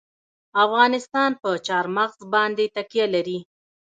افغانستان په چار مغز باندې تکیه لري.